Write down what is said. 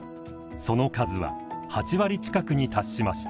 その数は８割近くに達しました。